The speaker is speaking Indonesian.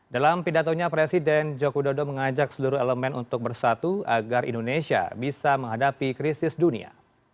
dalam pidatonya presiden joko widodo mengajak seluruh elemen untuk bersatu agar indonesia bisa menghadapi krisis dunia